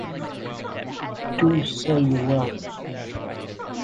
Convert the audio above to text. Do say you will.